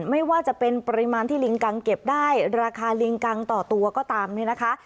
ไม่ว่าจะเป็นปริมาณที่ลิงกังเก็บได้ราคาลิงกังต่อตัวก็ตามเนี่ยนะคะ